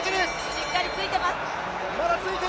しっかりついてます。